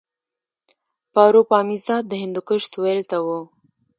پاروپامیزاد د هندوکش سویل ته و